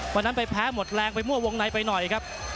วันนั้นไปแพ้หมดแรงไปมั่ววงในไปหน่อยครับ